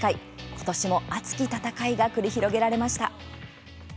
今年も熱き戦いが繰り広げられました。